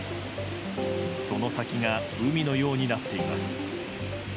その先が海のようになっています。